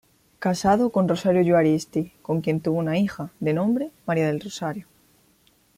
Casado con Rosario Juaristi, con quien tuvo una hija, de nombre María del Rosario.